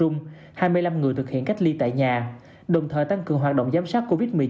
hai mươi năm người thực hiện cách ly tại nhà đồng thời tăng cường hoạt động giám sát covid một mươi chín